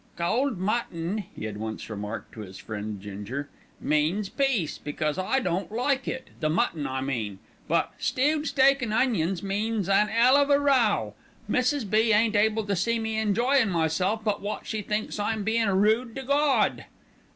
"Cold mutton," he had once remarked to his friend, Ginger, "means peace, because I don't like it the mutton, I mean; but stewed steak and onions means an 'ell of a row. Mrs. B. ain't able to see me enjoyin' myself but wot she thinks I'm bein' rude to Gawd."